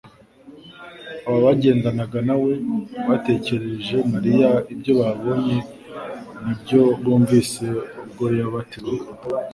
Aba bagendanaga na we batekerereje Mariya ibyo babonye n’ibyo bumvise ubwo yabatizwaga,